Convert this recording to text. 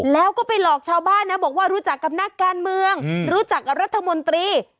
แล้วก็ไปหลอกชาวบ้านนะบอกว่ารู้จักกับนักการเมืองรู้จักกับรัฐมนตรี